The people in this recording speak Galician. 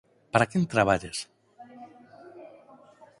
Para quen traballas?